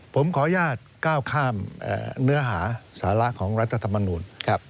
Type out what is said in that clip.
ผมขออนุญาตก้าวข้ามเนื้อหาสาระของรัฐธรรมนูล